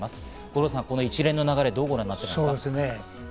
五郎さん、この一連の流れ、どうご覧になっていますか？